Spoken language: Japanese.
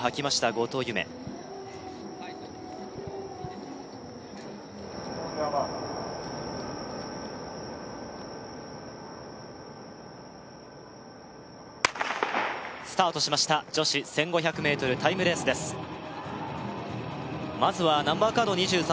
後藤夢ＯｎＹｏｕｒＭａｒｋｓスタートしました女子１５００ｍタイムレースですまずはナンバーカード２３